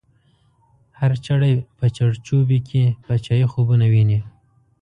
هر چړی په چړ چوبی کی، پاچایی خوبونه وینی